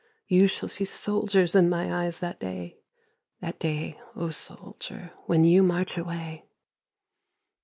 You shall see soldiers in my eyes that day That day, O soldier, when you march away.